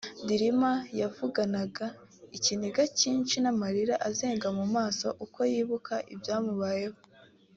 Dilma yavuganaga ikiniga cyinshi n’amarira azenga mu maso uko yibukaga ibyamubayeho